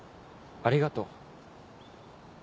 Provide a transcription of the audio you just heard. ありがとう。